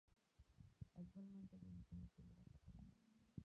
Actualmente milita en la Primera Catalana.